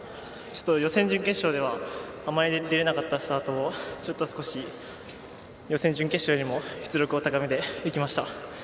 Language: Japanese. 予選、準決勝ではあまり出れなかったスタートを予選、準決勝よりも出力を高めていきました。